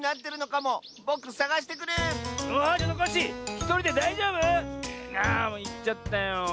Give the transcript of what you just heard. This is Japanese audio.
もういっちゃったよ。